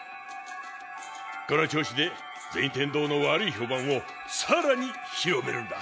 この調子で銭天堂の悪い評判をさらに広めるんだ。